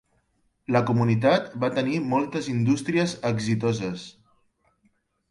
La Comunitat va tenir moltes indústries exitoses.